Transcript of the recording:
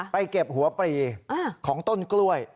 เก็บหัวปลีของต้นกล้วย